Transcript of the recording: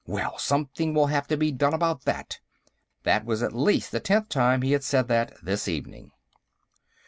"Well, something will have to be done about that!" That was at least the tenth time he had said that, this evening.